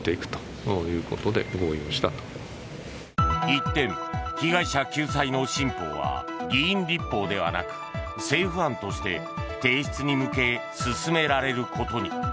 一転、被害者救済の新法は議員立法ではなく政府案として提出に向け進められることに。